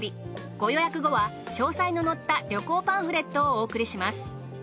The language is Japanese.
ご予約後は詳細の載った旅行パンフレットをお送りします。